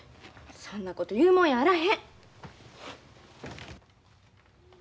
そんなこと言うもんやあらへん！